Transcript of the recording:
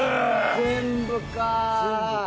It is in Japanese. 全部か。